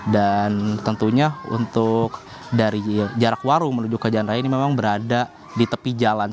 dan tentunya untuk dari jarak warung menuju ke dianiaya ini memang berada di tepi jalan